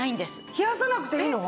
冷やさなくていいの？